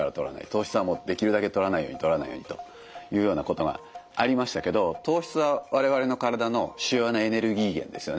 糖質はもうできるだけとらないようにとらないようにというようなことがありましたけど糖質は我々の体の主要なエネルギー源ですよね。